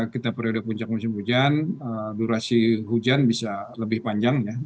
kita periode puncak musim hujan durasi hujan bisa lebih panjang ya